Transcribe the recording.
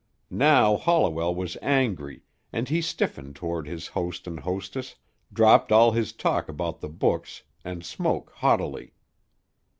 Now Holliwell was angry and he stiffened toward his host and hostess, dropped all his talk about the books and smoked haughtily.